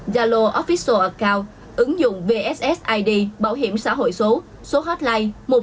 yalo official account ứng dụng vssid bảo hiểm xã hội số số hotline một chín không không chín không sáu tám